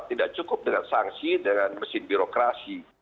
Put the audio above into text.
tidak cukup dengan sanksi dengan mesin birokrasi